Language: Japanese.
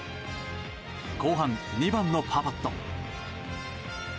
後半、２番のパーパット。